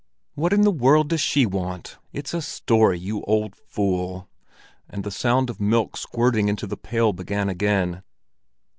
"What in the world does she want? It's a story, you old fool!" And the sound of milk squirting into the pail began again.